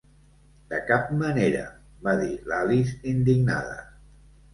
"De cap manera!", va dir l'Alice, indignada.